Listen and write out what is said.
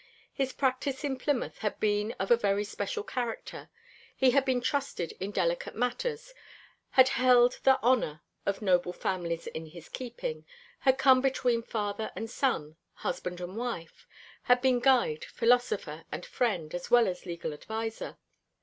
His practice in Plymouth had been of a very special character; he had been trusted in delicate matters, had held the honour of noble families in his keeping, had come between father and son, husband and wife; had been guide, philosopher, and friend, as well as legal adviser.